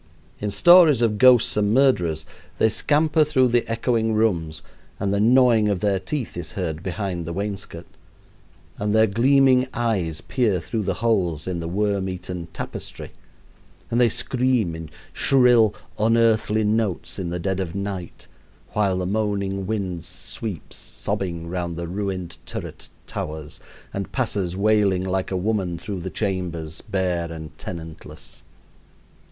In stories of ghosts and murderers they scamper through the echoing rooms, and the gnawing of their teeth is heard behind the wainscot, and their gleaming eyes peer through the holes in the worm eaten tapestry, and they scream in shrill, unearthly notes in the dead of night, while the moaning wind sweeps, sobbing, round the ruined turret towers, and passes wailing like a woman through the chambers bare and tenantless.